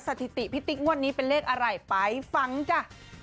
สถิติพี่ติ๊กงวดนี้เป็นเลขอะไรไปฟังจ้ะ